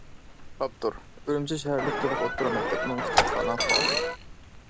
ئاپتور : ئۈرۈمچى شەھەرلىك تولۇق ئوتتۇرا مەكتەپنىڭ كۇتۇپخانا خادىمى.